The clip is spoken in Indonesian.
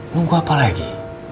nunggu apa lagi